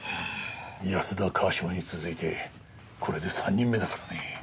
安田川島に続いてこれで３人目だからね。